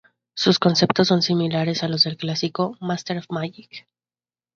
Sus conceptos son similares a los del clásico "Master of Magic".